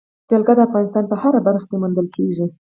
جلګه د افغانستان په هره برخه کې موندل کېږي.